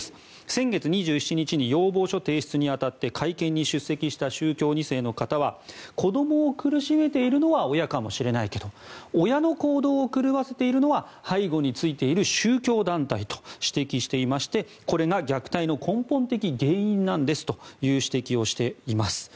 先月２７日に要望書提出に当たり会見に出席した宗教２世の方は子供を苦しめているのは親かもしれないけど親の行動を狂わせているのは背後についている宗教団体と指摘していましてこれが虐待の根本的原因ですと指摘しています。